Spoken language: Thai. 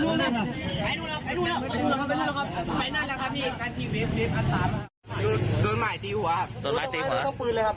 ตอนนี้กำลังไปโรงพยาบาลตอนนี้กำลังไปโรงพยาบาล